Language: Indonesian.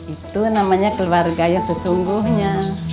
itu namanya keluarga yang sesungguhnya